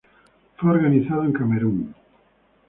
Fue organizado en Camerún.